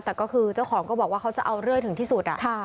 แต่ก็คือเจ้าของก็บอกว่าเขาจะเอาเรื่อยถึงที่สุด